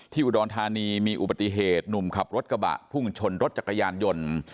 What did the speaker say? อุดรธานีมีอุบัติเหตุหนุ่มขับรถกระบะพุ่งชนรถจักรยานยนต์